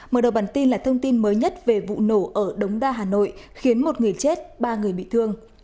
mở đầu bản tin là thông tin mới nhất về vụ nổ ở đống đa hà nội khiến một người chết ba người bị thương